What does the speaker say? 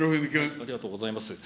ありがとうございます。